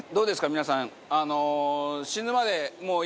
皆さん。